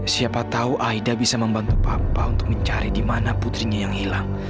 siapa tahu aida bisa membantu papa untuk mencari di mana putrinya yang hilang